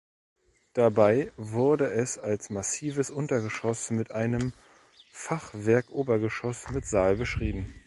Dabei wurde es als massives Untergeschoss mit einem Fachwerk-Obergeschoss mit Saal beschrieben.